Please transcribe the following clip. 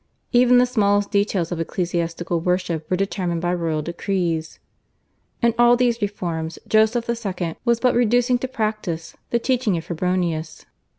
Even the smallest details of ecclesiastical worship were determined by royal decrees. In all these reforms Joseph II. was but reducing to practice the teaching of Febronius.